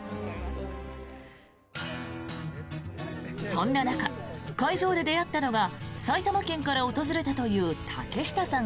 そんな中、会場で出会ったのが埼玉県から訪れたという竹下さん